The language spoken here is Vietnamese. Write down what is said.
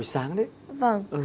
ủa sáng đấy